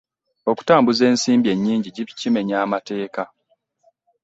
Okutambuza ensimbi ennyingi kimenya mateeka.